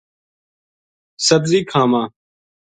سبزی کھاواں